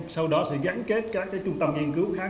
sau đó sẽ gắn kết các trung tâm nghiên cứu khác